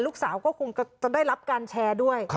ลูกสาวก็คงจะได้รับการแชร์ด้วย